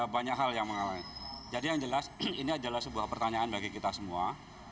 banyak hal yang mengalami jadi yang jelas ini adalah sebuah pertanyaan bagi kita semua